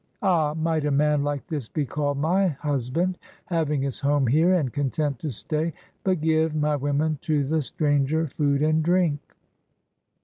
Ah, might a man like this be called my husband, having his home here, and content to stay! But give, my women, to the stranger food and drink."